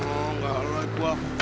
oh gak like gua